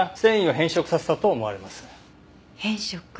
変色。